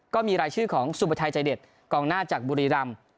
ก็มีรายชื่อของสุประชัยใจเด็ดกองหน้าจากบุรีรำ